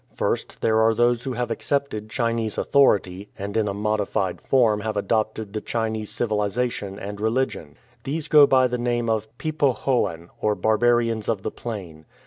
First there are those who have accepted Chinese authority, and in a modified form have adopted the Chinese civilization and religion. These go by the name of Pe po hoan, or " barbarians of the plain."